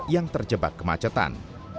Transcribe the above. yang terjebak kemacetan